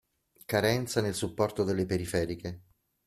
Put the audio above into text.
Carenza nel supporto delle periferiche.